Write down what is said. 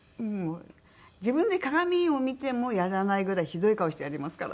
自分で鏡を見てもやらないぐらいひどい顔してやりますから。